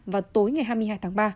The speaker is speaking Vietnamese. vào tối ngày hai mươi hai tháng ba